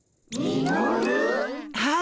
はい。